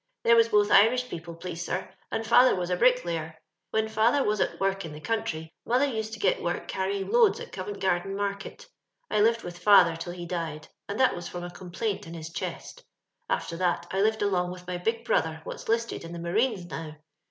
They was both Irish people, please sir, and father was a bricklayer. When • father was at work in the country, mother used to get work carrying loads at Covent garden Market. I lived with fiither till he died, and that was from a complaint in his chest. After that I lived along with my big brother, what's 'listed in the Marines now.